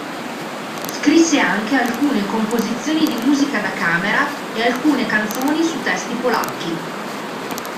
Scrisse anche alcune composizioni di musica da camera e alcune canzoni su testi polacchi.